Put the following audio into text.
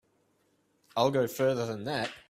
I'll go further than that.